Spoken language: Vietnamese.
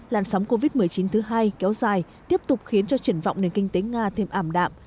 làn sóng covid một mươi chín thứ hai kéo dài tiếp tục khiến cho triển vọng nền kinh tế nga thêm ảm đạm